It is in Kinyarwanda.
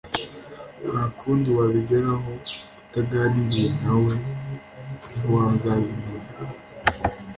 nta kundi wabigeraho utaganiriye na we ntiwazabimenya